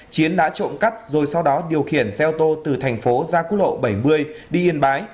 chiến đã trộm cắp rồi sau đó điều khiển xe ô tô từ thành phố ra quốc lộ bảy mươi đi yên bái